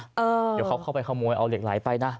เดี๋ยวเขาเข้าไปขโมยเอาเหล็กไหลไปนะ